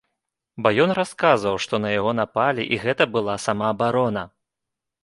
Бо ён расказваў, што на яго напалі і гэта была самаабарона.